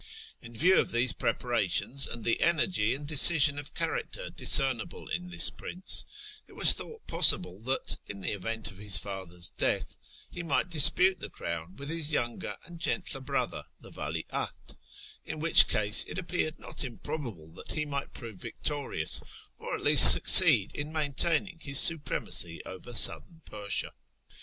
In view of these preparations, and the energy and decision of character discernible in this prince, it was thought possible that, in the event of his father's death, he might dispute the crown with his younger and gentler brother, the Vali ahd, in which case it appeared not improb able that he might prove victorious, or at least succeed in maintaining his supremacy over Southern Persia.